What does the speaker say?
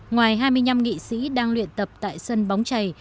ngoài hai mươi năm nghị sĩ đang luyện tập tại sân bóng trày